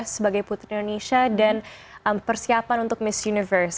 sebagai putri indonesia dan persiapan untuk miss universe